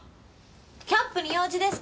キャップに用事ですか？